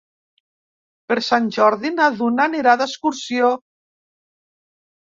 Per Sant Jordi na Duna anirà d'excursió.